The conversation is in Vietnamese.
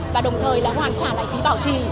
và đồng thời là hoàn trả lại phí bảo trì